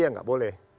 ya gak boleh